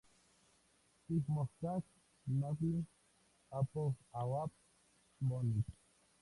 Умножай славу народов своих.